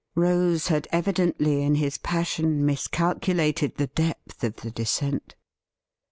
Rose had evidently in his passion miscalculated the depth of the descent.